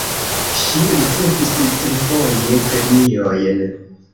Ŝi ricevis trifoje premiojn.